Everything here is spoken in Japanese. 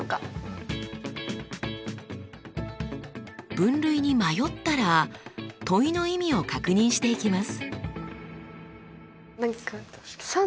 分類に迷ったら問いの意味を確認していきます。